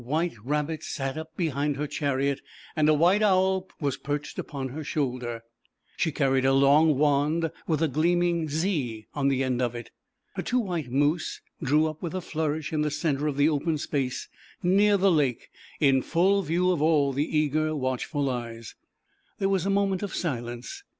r hence it came. I'A> \ ake Two big white Rab her Chariot and a hite Owl was perched upon her shoul She carried a long wand with a A r earning "Z' on the end of it. Her two white Moose drew up with a flourish e center of the open space near the n full view of all the eager watchful JT ^ here was a moment of silence.